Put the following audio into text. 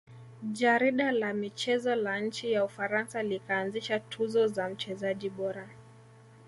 Jarida la michezo la nchi ya ufaransa likaanzisha tuzo za mchezaji bora